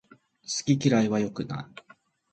好き嫌いは良くない